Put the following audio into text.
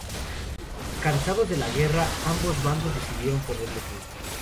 Cansados de la guerra, ambos bandos decidieron ponerle fin.